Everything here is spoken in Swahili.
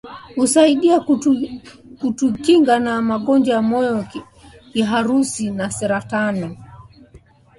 Husaidia kutukinga na magonjwa ya moyo kiharusi na saratani